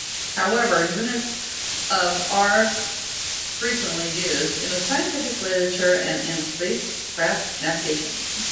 However, units of are frequently used in the scientific literature and in spacecraft navigation.